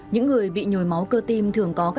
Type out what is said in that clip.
những người bị nhồi máu cơ tim thường có các trường hợp